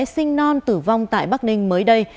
sinh non tử vong tại bắc ninh mới đây